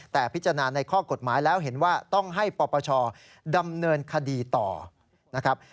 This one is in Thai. แต่พิจารณาในข้อกฎหมายแล้วเห็นว่าต้องให้ปปชดำเนินคดีต่อนะครับ